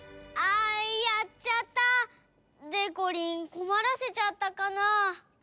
あっやっちゃった。でこりんこまらせちゃったかな？